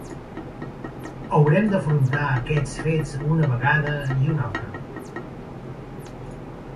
Haurem d’afrontar aquests fets una vegada i una altra.